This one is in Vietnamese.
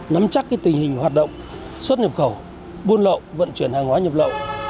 nắm chắc tình hình hoạt động xuất nhập khẩu buôn lậu vận chuyển hàng hóa nhập lậu